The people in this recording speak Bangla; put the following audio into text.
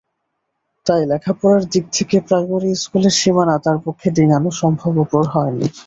তাই লেখাপড়ার দিক থেকে প্রাইমারি স্কুলের সীমানা তাঁর পক্ষে ডিঙানো সম্ভবপর হয়নি।